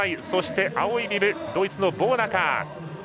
そして青いビブドイツのボーナカー。